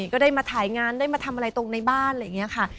ก็ได้มาถ่ายงานได้มาทำอะไรตรงในบ้านอะไรอย่างนี้ค่ะ